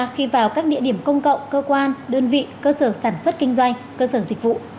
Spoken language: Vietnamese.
khi vào các địa điểm công cộng cơ quan đơn vị cơ sở sản xuất kinh doanh cơ sở dịch vụ